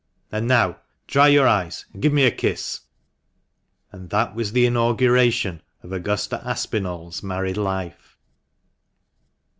And now dry your eyes and give me a kiss!" And that was the inauguration of Augusta ApinalPs married life.